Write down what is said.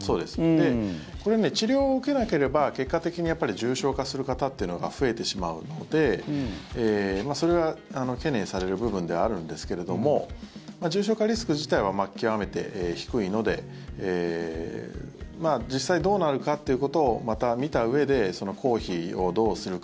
これ、治療を受けなければ結果的に重症化する方っていうのが増えてしまうのでそれは懸念される部分ではあるんですけれども重症化リスク自体は極めて低いので実際、どうなるかっていうことをまた見たうえで公費をどうするか。